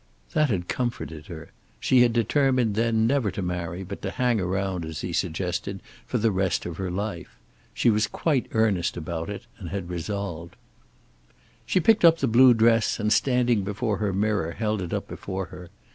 That had comforted her. She had determined then never to marry but to hang around, as he suggested, for the rest of her life. She was quite earnest about it, and resolved. She picked up the blue dress and standing before her mirror, held it up before her.